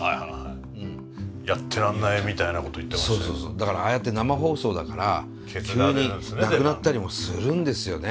だからああやって生放送だから急になくなったりもするんですよね。